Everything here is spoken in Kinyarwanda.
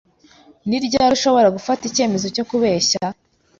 Ni ryari ushobora gufata icyemezo cyo kubeshya